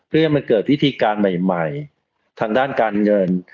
เพื่อให้มันเกิดวิธีการใหม่ทางด้านการเงิน